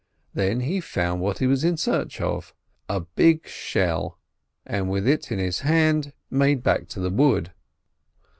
Then he found what he was in search of—a big shell—and with it in his hand made back to the wood.